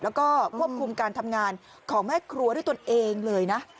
แล้วก็ควบคุมการทำงานของแม่ครัวด้วยตนเองเลยนะ